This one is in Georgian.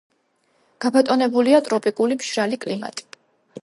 გაბატონებულია ტროპიკული მშრალი კლიმატი.